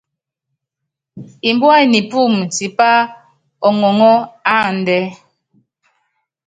Mbúá i nipúum tipá ɔŋɔŋɔ́ áandɛ́.